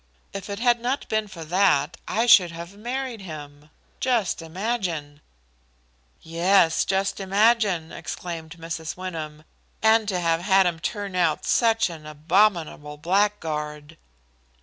If it had not been for that I should have married him just imagine!" "Yes, just imagine!" exclaimed Mrs. Wyndham. "And to have had him turn out such an abominable blackguard!"